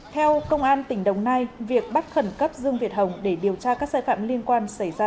theo công an tỉnh đồng nai việc bắt khẩn cấp dương việt hồng để điều tra các sai phạm liên quan xảy ra